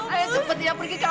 ayah sempatnya pergi ke apotik ya